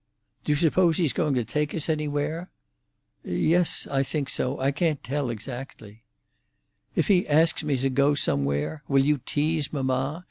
"Do you suppose he's going to take us anywhere?" "Yes—I think so. I can't tell exactly." "If he asks me to go somewhere, will you tease mamma?